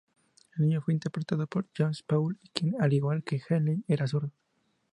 El niño fue interpretado por Josh Paul, quien al igual que Henley era zurdo.